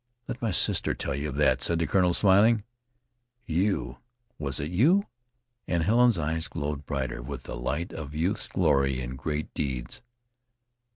"Let my sister tell you of that," said the colonel, smiling. "You! Was it you?" And Helen's eyes glowed brighter with the light of youth's glory in great deeds.